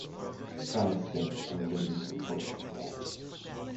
Some escaped and the leaders were tortured to death.